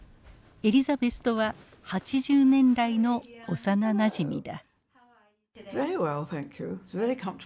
エリザベスとは８０年来の幼なじみだ。